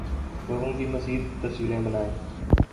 لوگوں کی مزید تصاویر بنائیں